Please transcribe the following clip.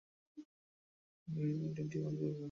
বোর্ডের বর্তমান শিক্ষা ব্যবস্থা তিনটি পর্যায়ে বিভক্ত।